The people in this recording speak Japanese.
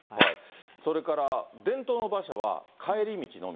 それから、伝統の馬車は帰り道のみ。